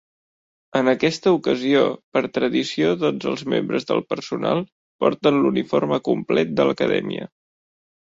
En aquesta ocasió, per tradició tots els membres del personal porten l'uniforme complet de l'acadèmia.